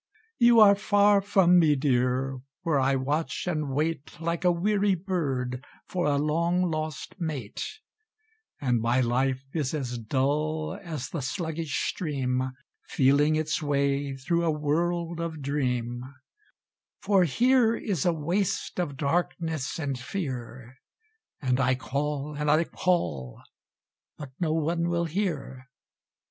You are far from me, dear, where I watch and wait, Like a weary bird for a long lost mate, And my life is as dull as the sluggish stream Feeling its way through a world of dream; For here is a waste of darkness and fear, And I call and I call, but no one will hear!